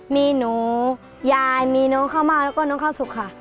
มีหนูยายมีน้องข้าวมากแล้วก็น้องข้าวสุกค่ะ